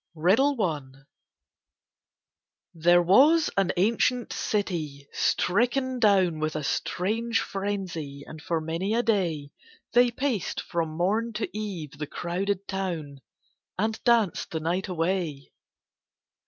] I THERE was an ancient City, stricken down With a strange frenzy, and for many a day They paced from morn to eve the crowded town, And danced the night away.